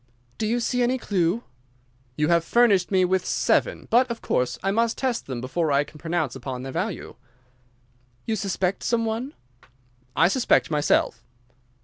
"Do you see any clue?" "You have furnished me with seven, but, of course, I must test them before I can pronounce upon their value." "You suspect some one?" "I suspect myself."